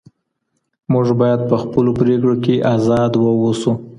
موږ باید په خپلو پرېکړو کي ازاد واوسو.